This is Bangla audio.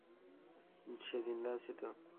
সে জিন্দা আছে তো?